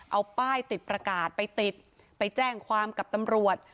เอาป้ายติดประกาศไปติดไปแจ้งความกับตำรวจ